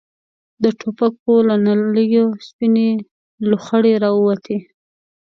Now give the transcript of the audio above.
د ټوپکو له نليو سپينې لوخړې را ووتې.